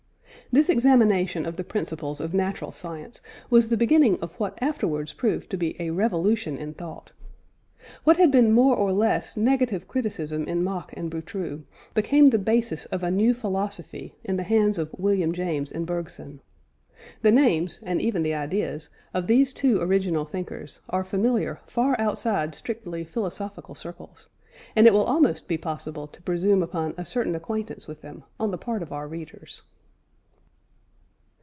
This examination of the principles of natural science was the beginning of what afterwards proved to be a revolution in thought. What had been more or less negative criticism in Mach and Boutroux, became the basis of a new philosophy in the hands of William James and Bergson. The names, and even the ideas, of these two original thinkers are familiar far outside strictly philosophical circles, and it will almost be possible to presume upon a certain acquaintance with them on the part of our readers.